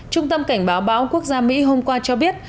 trung tâm cảnh báo bão quốc gia mỹ hôm qua cho biết